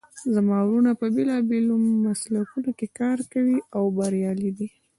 زما وروڼه په بیلابیلو مسلکونو کې کار کوي او بریالي دي